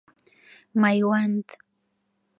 میوند